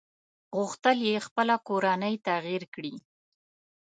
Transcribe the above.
غوښتل يې خپله کورنۍ تغيير کړي.